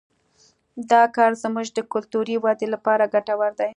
دا کار زموږ د کلتوري ودې لپاره ګټور دی